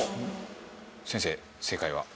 先生正解は？